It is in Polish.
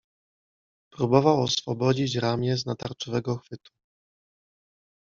Próbował oswobodzić ramię z natarczywego chwytu.